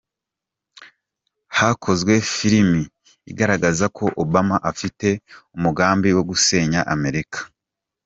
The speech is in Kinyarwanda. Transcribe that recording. Hakozwe filimi igaragaza ko Obama afite umugambi wo gusenya Amerika